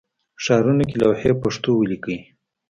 ښارونو کې لوحې پښتو ولیکئ